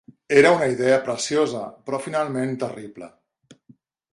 Era una idea preciosa, però finalment, terrible.